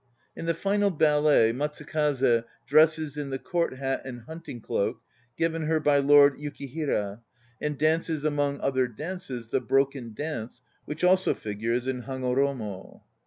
In the final ballet Matsukaze dresses in the "court hat and hunting cloak given her by Lord Yukihira" and dances, among other dances, the "Broken Dance," which also figures in Hagoromo.